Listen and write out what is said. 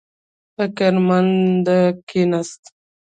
فکر مند کېناست.